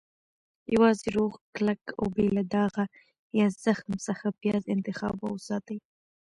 - یوازې روغ، کلک، او بې له داغه یا زخم څخه پیاز انتخاب او وساتئ.